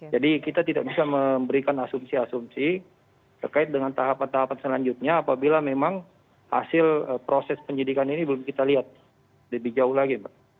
jadi kita tidak bisa memberikan asumsi asumsi terkait dengan tahapan tahapan selanjutnya apabila memang hasil proses penyidikan ini belum kita lihat lebih jauh lagi